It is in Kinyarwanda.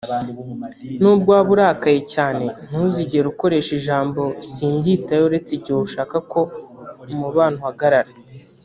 Nubwo waba urakaye cyane ntuzigere ukoresha ijambo simbyitayeho uretse igihe ushaka ko umubano uhagarara